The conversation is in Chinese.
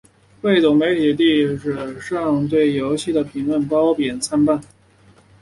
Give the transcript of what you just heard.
汇总媒体的网址上对游戏的评论褒贬参半。